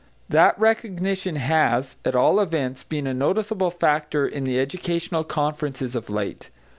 That recognition has, at all events, been a noticeable factor in educational conferences of late.